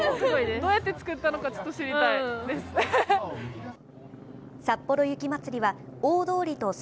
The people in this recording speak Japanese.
どうやって作ったのか、知りたいです。